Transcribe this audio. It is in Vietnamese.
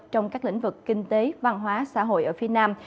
trong các lĩnh vực kinh tế văn hóa xã hội ở phía nam